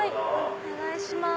お願いします。